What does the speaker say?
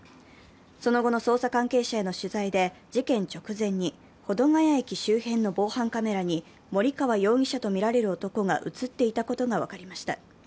その後の捜査関係者への取材で事件直前に保土ケ谷駅周辺の防犯カメラに森川容疑者とみられる男が映っていたことが分かりました。